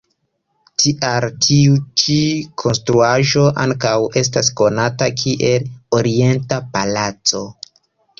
Tial, tiu ĉi konstruaĵo ankaŭ estas konata kiel Orienta Palaco.